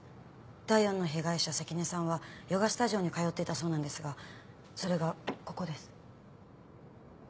第４の被害者関根さんはヨガスタジオに通ってたそうなんですがそれがここです。